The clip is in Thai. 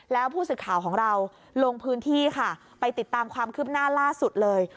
แล้วผู้สื่อข่าวของเราลงพื้นที่ค่ะไปติดตามความคืบหน้าล่าสุดเลย